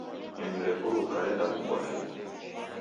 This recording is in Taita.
Nyonyi repuruka renda kumbwa na igho.